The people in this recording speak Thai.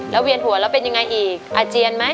เวียนหัวแล้วเป็นยังไงอีกอาเจียนไหม